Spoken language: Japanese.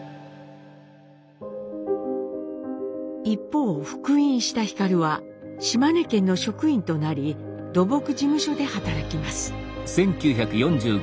一方復員した皓は島根県の職員となり土木事務所で働きます。